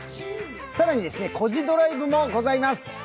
更に「コジドライブ」もございます。